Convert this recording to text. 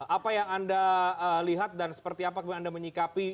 apa yang anda lihat dan seperti apa anda menyikapi